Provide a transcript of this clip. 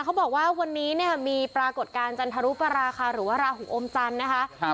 เขาบอกว่าวันนี้เนี่ยมีปรากฏการณ์จันทรุปราคาหรือว่าราหูอมจันทร์นะคะ